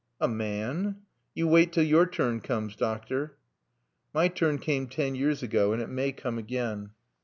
"A ma an? You wait till yor turn cooms, doctor." "My turn came ten years ago, and it may come again."